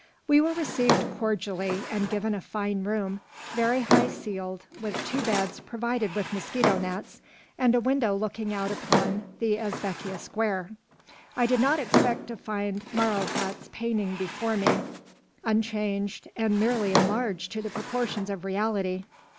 We were received cordially, and given a fine room, very high ceiled, with two beds provided with mosquito nets, and a window looking out upon the Ezbekîyeh Square. I did not expect to find Marilhat's painting before me, unchanged, and merely enlarged to the proportions of reality.